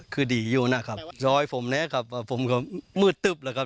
คือดีอยู่นะครับซอยผมนะครับว่าผมก็มืดตึ๊บแล้วครับ